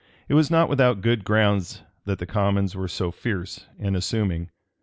It was not without good grounds that the commons were so fierce and assuming.